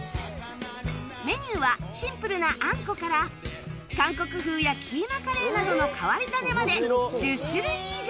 メニューはシンプルなあんこから韓国風やキーマカレーなどの変わり種まで１０種類以上！